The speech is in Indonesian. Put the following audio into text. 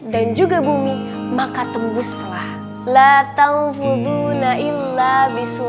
dan juga bumi maka tembuslah